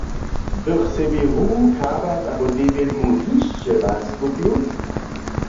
Bych sebi hru, kabat abo debjenku hišće raz kupił?